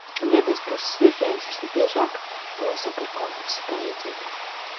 Debespuses virzienus visbiežāk nosaka ar kompasa palīdzību.